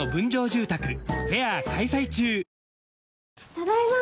ただいま。